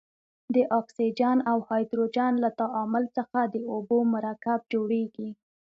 د اکسیجن او هایدروجن له تعامل څخه د اوبو مرکب جوړیږي.